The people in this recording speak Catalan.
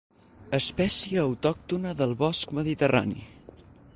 Espècie autòctona del bosc mediterrani.